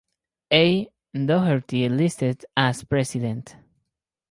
A. Dougherty listed as President.